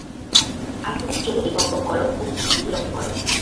আর তুমি কেবলই বকবক কর ও পৃথিবীকে বিরক্ত কর।